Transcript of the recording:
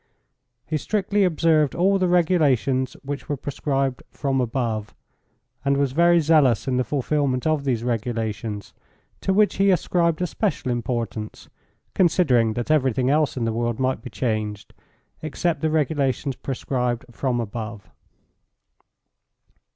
He strictly observed all the regulations which were prescribed "from above," and was very zealous in the fulfilment of these regulations, to which he ascribed a special importance, considering that everything else in the world might be changed except the regulations prescribed "from above."